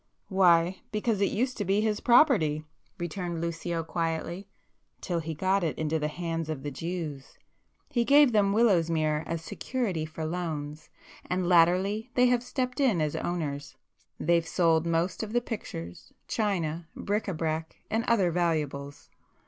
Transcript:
"Why, because it used to be his property"—returned Lucio quietly—"till he got into the hands of the Jews. He gave them Willowsmere as security for loans, and latterly they have stepped in as owners. They've sold most of the pictures, china, bric a brac and other valuables.